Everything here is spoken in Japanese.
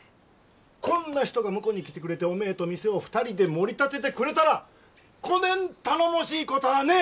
こんな人が婿に来てくれておめえと店を２人でもり立ててくれたらこねん頼もしいこたあねえ！